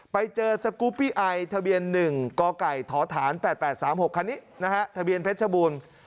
ไปเจอสกูปปี้ไอทะเบียน๑กไก่ทฐาน๘๘๓๖คันนี้นะฮะทะเบียนเพชรบูรณ์